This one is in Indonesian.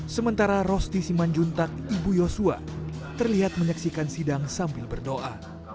sementara rosti simanjuntak ibu yosua terlihat menyaksikan sidang sambil berdoa